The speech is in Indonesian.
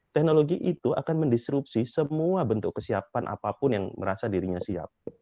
teknologi itu akan mendisrupsi semua bentuk kesiapan apapun yang merasa dirinya siap